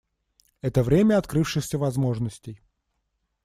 Это время открывшихся возможностей.